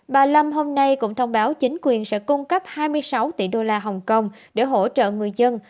bà lâm hôm nay cũng thông báo chính quyền sẽ cung cấp hai mươi sáu tỷ đô la hồng kông để hỗ trợ người dân